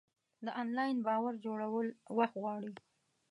د انلاین باور جوړول وخت غواړي.